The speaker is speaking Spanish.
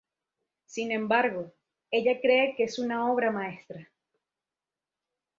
Sin embargo, ella cree que es una obra maestra.